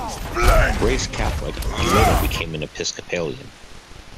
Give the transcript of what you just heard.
Raised Catholic, he later became an Episcopalian.